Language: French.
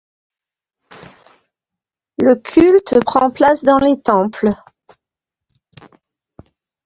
Le culte prend place dans les temples.